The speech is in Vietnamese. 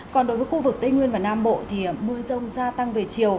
còn đối với khu vực tây nguyên và nam bộ thì mưa rông gia tăng về chiều